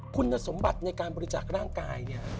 คุณสมบัติในการบริจาคร่างกายเนี่ย